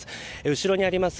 後ろにあります